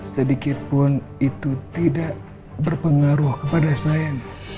sedikitpun itu tidak berpengaruh kepada saya